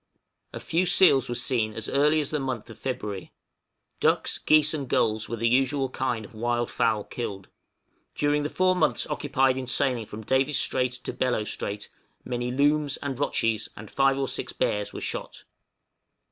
A few seals were seen as early as the month of February. Ducks, geese, and gulls were the usual kind of wild fowl killed. During the 4 months occupied in sailing from Davis Strait to Bellot Strait, many looms and rotchies, and 5 or 6 bears were shot.